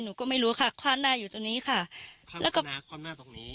หนูก็ไม่รู้ค่ะข้างหน้าอยู่ตรงนี้ค่ะข้างหน้าข้างหน้าตรงนี้